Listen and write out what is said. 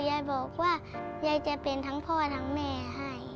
ยายบอกว่ายายจะเป็นทั้งพ่อทั้งแม่ให้